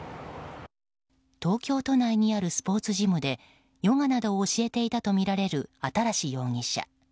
東京都内にあるスポーツジムでヨガなどを教えていたとみられる新容疑者。